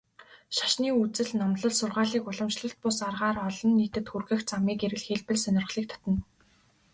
Шашны үзэл номлол, сургаалыг уламжлалт бус аргаар олон нийтэд хүргэх замыг эрэлхийлбэл сонирхлыг татна.